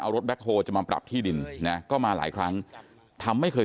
เอารถแคคโฮลจะมาปรับที่ดินนะก็มาหลายครั้งทำไม่เคย